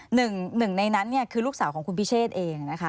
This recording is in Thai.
หนึ่งในนั้นเนี่ยคือลูกสาวของคุณพิเชษเองนะคะ